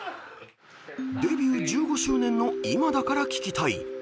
［デビュー１５周年の今だから聞きたい